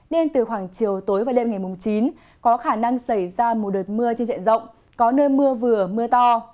nên từ khoảng chiều tối và đêm ngày chín có khả năng xảy ra một đợt mưa trên diện rộng có nơi mưa vừa mưa to